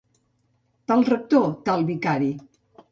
Tal rector, tal vicari.